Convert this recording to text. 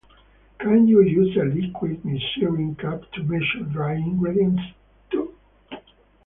Can you use a liquid measuring cup to measure dry ingredients, too?